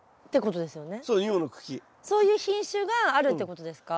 そういう品種があるってことですか？